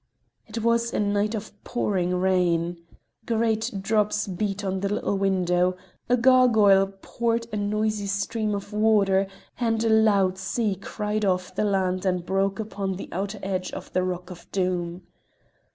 It was a night of pouring rain. Great drops beat on the little window, a gargoyle poured a noisy stream of water, and a loud sea cried off the land and broke upon the outer edge of the rock of Doom.